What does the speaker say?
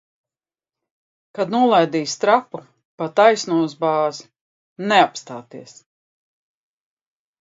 Kad nolaidīs trapu, pa taisno uz bāzi. Neapstāties!